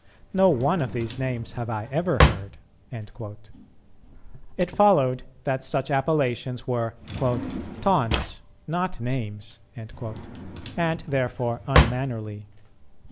No one of these names have I ever heard." It followed that such appellations were "taunts, not names," and therefore unmannerly.